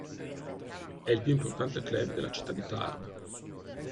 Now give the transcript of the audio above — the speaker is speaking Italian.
È il più importante club della città di Tarbes.